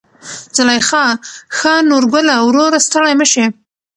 زليخا: ښا نورګله وروره ستړى مشې.